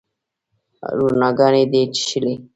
روڼاګاني دي چیښلې